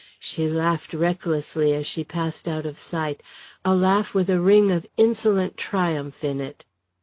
She laughed recklessly as she passed out of sight, a laugh with a ring of insolent triumph in it.